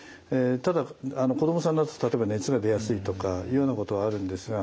ただ子どもさんだと例えば熱が出やすいとかいうようなことはあるんですが。